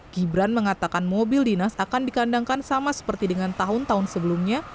gibran mengatakan mobil dinas akan dikandangkan sama seperti dengan tahun tahun sebelumnya